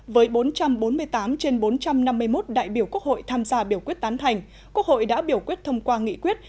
với bốn trăm bốn mươi tám trên bốn trăm năm mươi một đại biểu quốc hội tham gia biểu quyết tán thành quốc hội đã biểu quyết thông qua nghị quyết